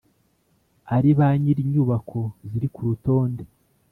Ari ba nyir inyubako ziri ku rutonde